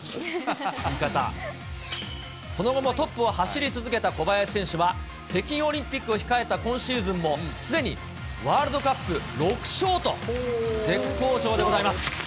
その後もトップを走り続けた小林選手は、北京オリンピックを控えた今シーズンも、すでにワールドカップ６勝と、絶好調でございます。